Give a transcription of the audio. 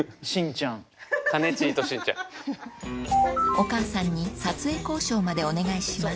お母さんに撮影交渉までお願いします